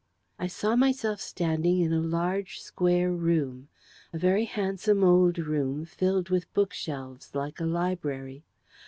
I saw myself standing in a large, square room a very handsome old room, filled with bookshelves like a library.